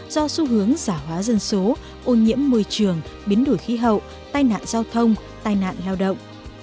do xu hướng giả hóa dân số ô nhiễm môi trường biến đổi khí hậu tai nạn giao thông tai nạn lao động